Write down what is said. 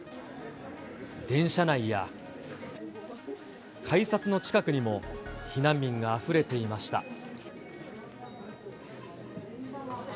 電車内や、改札の近くにも、避難民があふれていました。